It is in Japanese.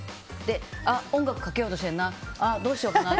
あ、音楽をかけようとしてるなあ、どうしようかな。